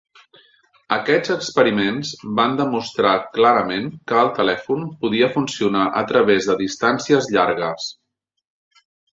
Aquests experiments van demostrar clarament que el telèfon podia funcionar a través de distàncies llargues.